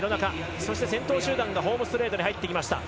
そして先頭集団がホームストレートに入っていきました。